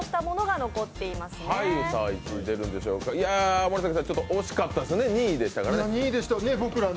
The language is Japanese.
森崎さん惜しかったですね、２位でしたからね。